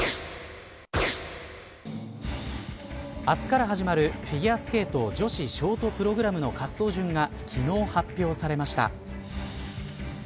明日から始まるフィギュアスケート女子ショートプログラムの滑走順が昨日、発表されました。